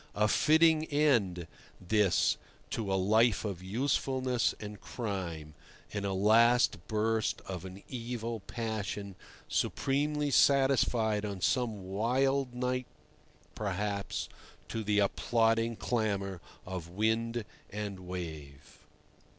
A fitting end, this, to a life of usefulness and crime—in a last outburst of an evil passion supremely satisfied on some wild night, perhaps, to the applauding clamour of wind and wave.